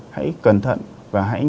hãy cẩn thận và hãy